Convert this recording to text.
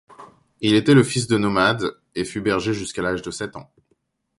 Il était le fils de nomades, et fut berger jusqu'à l'âge de sept ans.